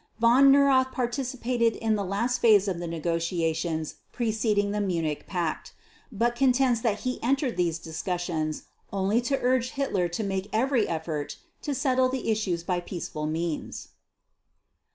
Von Neurath participated in the last phase of the negotiations preceding the Munich Pact, but contends that he entered these discussions only to urge Hitler to make every effort to settle the issues by peaceful means.